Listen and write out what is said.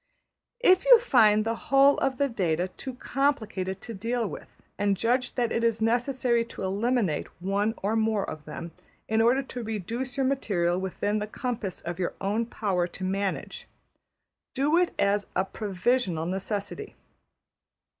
If you find the whole of the data too complicated to deal with, and judge that it is necessary to eliminate one or more of them, in order to reduce your material within the compass of your own power to manage, do it as a \emph{provisional} necessity.